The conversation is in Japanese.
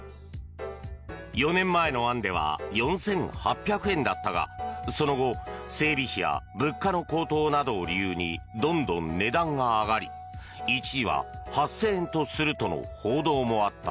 ４年前の案では４８００円だったがその後、整備費や物価の高騰などを理由にどんどん値段が上がり一時は８０００円とするとの報道もあった。